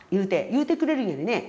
言うてくれるんやね。